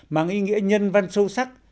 mang ý nghĩa nhân văn sâu sắc